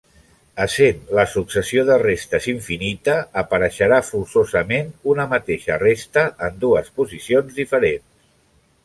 Essent la successió de restes infinita, apareixerà forçosament una mateixa resta en dues posicions diferents.